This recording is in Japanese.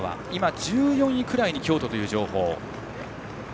１４位くらいに京都という情報。